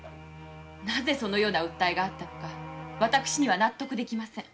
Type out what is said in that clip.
なぜそのような訴えがあったのか納得できません。